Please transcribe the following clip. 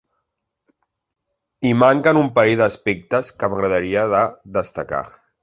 I manquen un parell d’aspectes que m’agradaria de destacar.